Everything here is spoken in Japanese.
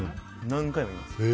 何回も言います。